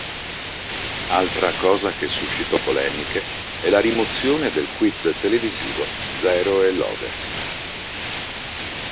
Altra cosa che suscitò polemiche è la rimozione del quiz televisivo Zero e lode!